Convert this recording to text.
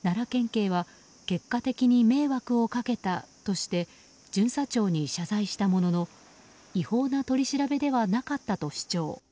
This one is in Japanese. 警は結果的に迷惑をかけたとして巡査長に謝罪したものの違法な取り調べではなかったと主張。